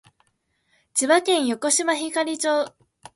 千葉県横芝光町